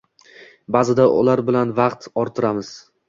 Ba’zida ular bilan vaqt orttiramiz.